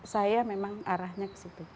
saya memang arahnya ke situ